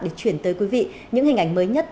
để chuyển tới quý vị những hình ảnh mới nhất